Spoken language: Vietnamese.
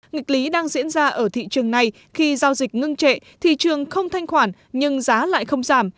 nghịch lý đang diễn ra ở thị trường này khi giao dịch ngưng trệ thị trường không thanh khoản nhưng giá lại không giảm